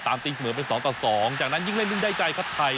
สามตีเสมอเป็นสองต่อสองจากนั้นยิงเล่นลิ่นใดใจครับไทย